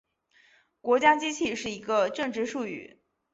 国家机器是一个政治术语。